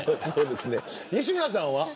西村さんは。